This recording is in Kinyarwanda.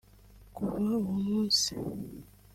Kuva uwo munsi